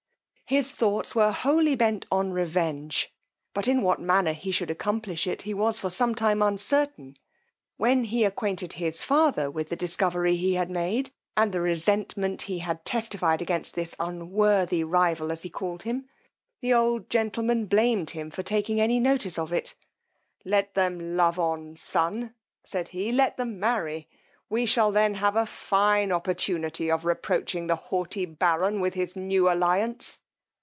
His thoughts were wholly bent on revenge; but in what manner he should accomplish it, he was for some time uncertain: when he acquainted his father with the discovery he had made, and the resentment he had testified against this unworthy rival, as he called him, the old gentleman blamed him for taking any notice of it. Let them love on, son, said he; let them marry; we shall then have a fine opportunity of reproaching the haughty baron with his new alliance.